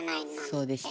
そうでした。